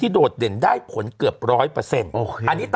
ที่โดดเด่นได้ผลเกือบร้อยเปอร์เซ็นต์